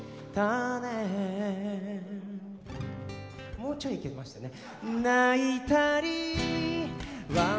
もうちょいいけましたね。